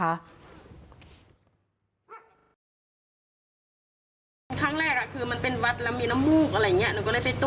ครั้งแรกคือมันเป็นวัดแล้วมีน้ำมูกอะไรอย่างนี้